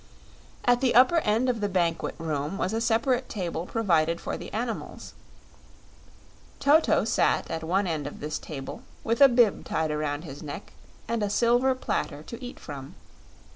At the upper end of the banquet room was a separate table provided for the animals. Toto sat at one end of this table with a bib tied around his neck and a silver platter to eat from.